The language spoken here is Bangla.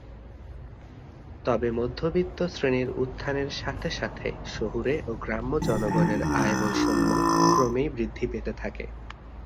তবে, মধ্যবিত্ত শ্রেণীর উত্থানের সাথে সাথে শহুরে ও গ্রাম্য জনগণের আয়-বৈষম্য ক্রমেই বৃদ্ধি পেতে থাকে।